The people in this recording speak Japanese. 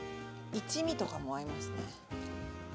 一味とかも合いますね。